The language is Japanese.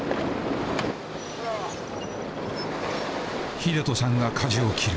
英人さんがかじを切る。